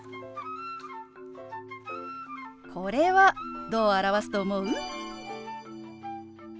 これはどう表すと思う？